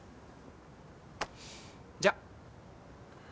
じゃあ。